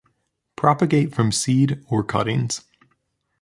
Propagate from seed or cuttings.